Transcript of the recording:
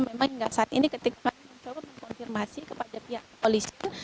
memang hingga saat ini ketika mencoba mengkonfirmasi kepada pihak polisi